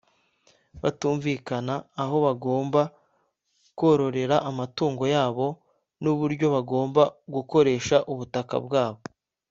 batumvikana aho bagomba kororera amatungo yabo n’uburyo bagomba gukoresha ubutaka bwabo